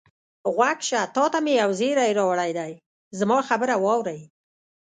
غوږ شه، تا ته مې یو زېری راوړی دی، زما خبره واورئ.